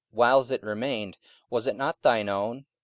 44:005:004 Whiles it remained, was it not thine own?